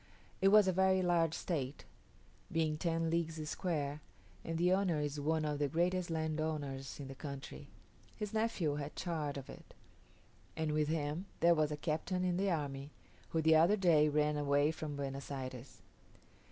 It was a very large estate, being ten leagues square, and the owner is one of the greatest landowners in the country. His nephew had charge of it, and with him there was a captain in the army, who the other day ran away from Buenos Ayres.